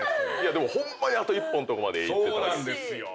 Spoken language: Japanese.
ホンマにあと一歩のとこまでいってた。